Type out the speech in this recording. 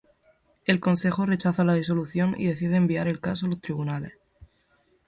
El Consejo rechaza la disolución y decide enviar el caso a los tribunales.